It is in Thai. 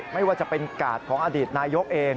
ไม่ว่าจะเป็นกาดของอดีตนายกเอง